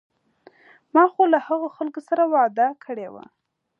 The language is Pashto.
ما خو له هغو خلکو سره وعده کړې وه.